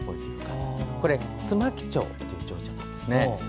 これ、ツマキチョウというチョウチョなんです。